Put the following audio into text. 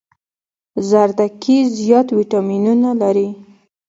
زردکي زيات ويټامينونه لري